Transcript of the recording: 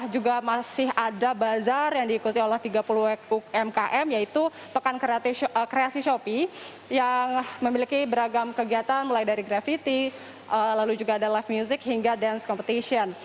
juga masih ada bazar yang diikuti oleh tiga puluh umkm yaitu pekan kreasi shopee yang memiliki beragam kegiatan mulai dari gravity lalu juga ada live music hingga dance competition